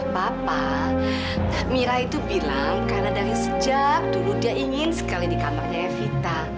bapak mira itu bilang karena dari sejak dulu dia ingin sekali di kamarnya evita